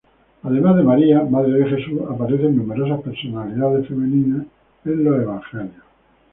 Además de María, madre de Jesús, aparecen numerosas personalidades femeninas en los Evangelios.